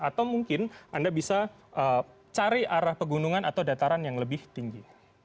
atau mungkin anda bisa cari arah pegunungan atau dataran yang lebih tinggi